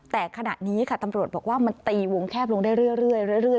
แต่ขณะนี้ค่ะตำรวจบอกว่ามันตีวงแคบลงได้เรื่อย